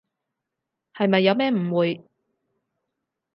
係咪有咩誤會？